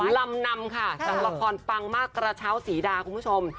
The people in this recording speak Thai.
ลำนำค่ะจากละครปังมากกระเช้าสีดาคุณผู้ชม